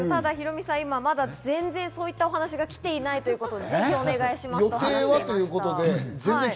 ただヒロミさん、今はまだ全然そういったお話が来ていないということで、ぜひお願いしますとお話されていました。